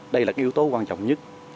đây là yếu tố quan trọng nhất